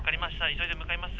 急いで向かいます。